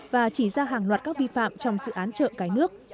và chỉ ra hàng loạt các vi phạm trong dự án chợ cái nước